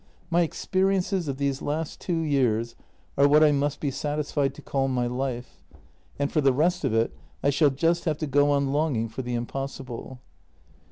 My experiences of these two last years are what I must be satisfied to call my life — and for the rest of it I shall just have to go on longing for the impossible."